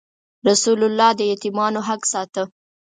رسول الله د یتیمانو حق ساته.